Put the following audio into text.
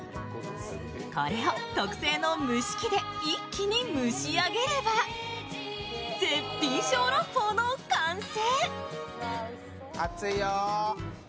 これを特製の蒸し器で一気に蒸し上げれば、絶品ショーロンポーの完成。